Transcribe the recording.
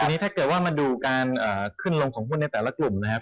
อันนี้ถ้าเกิดว่ามาดูการขึ้นลงของหุ้นในแต่ละกลุ่มนะครับ